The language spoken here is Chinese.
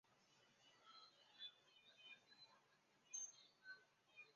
而毗邻附近有大型住宅项目升御门。